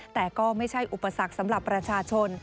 แต่ก็ไม่ใช่อุปสรรคสำหรับประชาชน